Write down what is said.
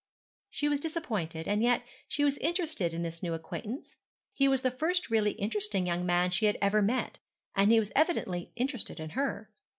She was disappointed, and yet she was interested in this new acquaintance. He was the first really interesting young man she had ever met, and he was evidently interested in her.